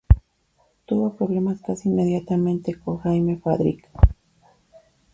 Tuvo problemas casi inmediatamente con Jaime Fadrique.